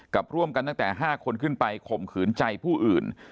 ร่วมกันตั้งแต่๕คนขึ้นไปข่มขืนใจผู้อื่น